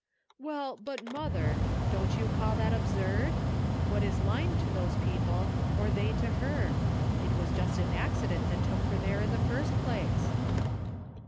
" Well, but, mother, don't you call that ab surd? What is Line to those people, or they to her? It was just an accident that took her there in the first place."